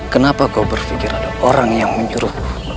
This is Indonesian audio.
kenapa kau berpikir ada orang yang menyuruh